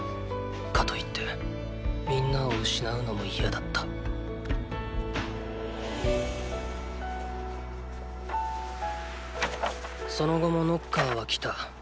かといって皆を失うのも嫌だったその後もノッカーは来た。